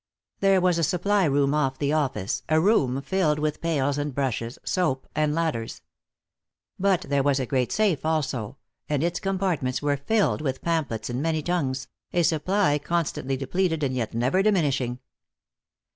There was a supply room off the office, a room filled with pails and brushes, soap and ladders. But there was a great safe also, and its compartments were filled with pamphlets in many tongues, a supply constantly depleted and yet never diminishing.